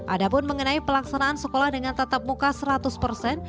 ada pun mengenai pelaksanaan sekolah dengan tatap muka seratus persen